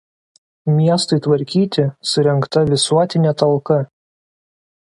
Miestui tvarkyti surengta visuotinė talka.